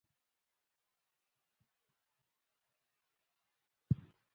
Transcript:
افغانستان کې د انګور لپاره دپرمختیا پروګرامونه شته.